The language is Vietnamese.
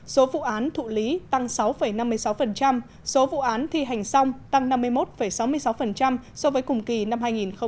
số vụ án thụ lý tăng sáu năm mươi sáu số vụ án thi hành xong tăng năm mươi một sáu mươi sáu so với cùng kỳ năm hai nghìn một mươi tám